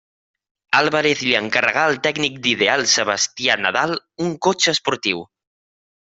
Álvarez li encarregà al tècnic d'Ideal Sebastià Nadal un cotxe esportiu.